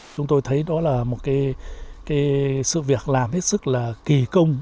chúng tôi thấy đó là một sự việc làm hết sức là kỳ công